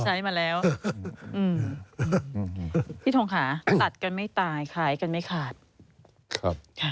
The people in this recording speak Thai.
ที่โทงค่ะตัดกันไม่ตายไขกันไม่ขาด